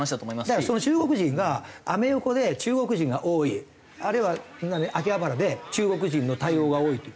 だからその中国人がアメ横で中国人が多いあるいは秋葉原で中国人の対応が多いという。